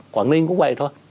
quảng ninh cũng vậy thôi